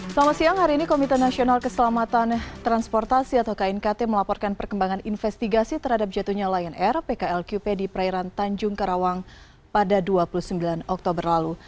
selamat siang hari ini komite nasional keselamatan transportasi atau knkt melaporkan perkembangan investigasi terhadap jatuhnya lion air pklqp di perairan tanjung karawang pada dua puluh sembilan oktober lalu